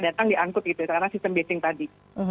datang diangkut gitu karena sistem blecing tadi